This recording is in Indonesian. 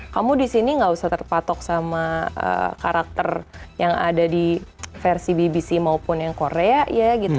kamu di sini gak usah terpatok sama karakter yang ada di versi bbc maupun yang korea ya gitu